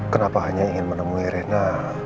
kenapa hanya ingin menemui rena